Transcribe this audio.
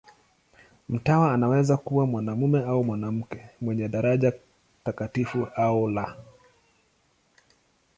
Mtawa anaweza kuwa mwanamume au mwanamke, mwenye daraja takatifu au la.